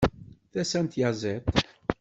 Tasa n tyaziḍt.